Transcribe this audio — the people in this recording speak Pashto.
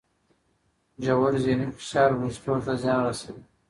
ژور ذهني فشار وېښتو ته زیان رسوي.